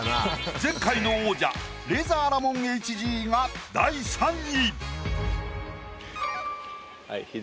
前回の王者レイザーラモンＨＧが第３位。